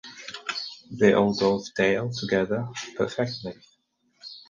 They all dovetail together perfectly.